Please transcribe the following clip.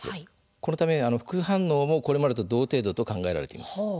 このため副反応もこれまでと同程度と考えられています。